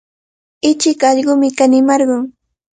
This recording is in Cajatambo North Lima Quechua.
Ichik allqumi kanimarqun.